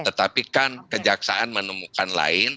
tetapi kan kejaksaan menemukan lain